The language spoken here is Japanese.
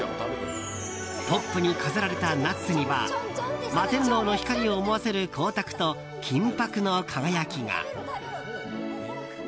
トップに飾られたナッツには摩天楼の光を思わせる光沢と金箔の輝きが。